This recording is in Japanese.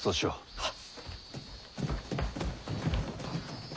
はっ。